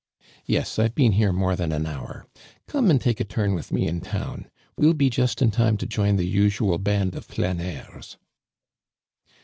Yes, I've been here more than an Iiour. <'0me, and take a turn with me in town. We'll be just in time to join the usual band of fldneurn.'